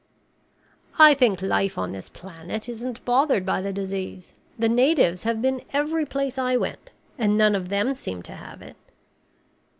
"I think life on this planet isn't bothered by the disease. The natives have been every place I went and none of them seemed to have it."